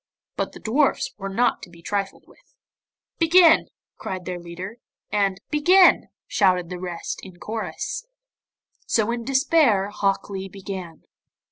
But the dwarfs were not to be trifled with. 'Begin!' cried their leader, and 'Begin!' shouted the rest in chorus. So in despair Hok Lee began.